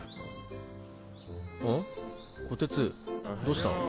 ん？こてつどうした？